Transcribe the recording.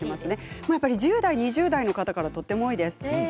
１０代、２０代の方からとても多いです。